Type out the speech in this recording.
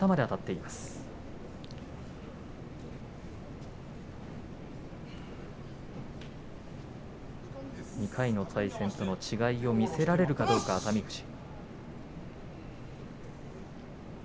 これまで２回の対戦との違いを見せられるか、熱海富士。